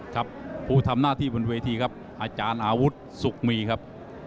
ครับผู้ทำหน้าที่บนเวทีครับอาจารย์อาวุธสุขมีครับ